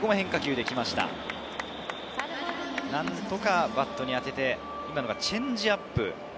何とかバットに当てて、今のはチェンジアップ。